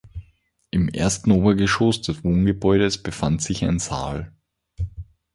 Im ersten Obergeschoss des Wohngebäudes befand sich ein Saal.